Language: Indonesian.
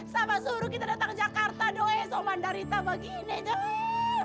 sama suruh kita datang jakarta doa esok mandari taba gini deh